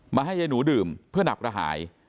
มาให้ยายหนูดื่มเพื่อหนับกระหาย